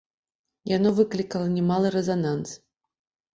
Яно выклікала немалы рэзананс.